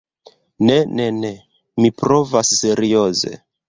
Ne, ne, ne... mi provas serioze...